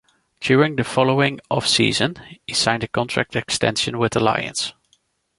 During the following off-season, he signed a contract extension with the Lions.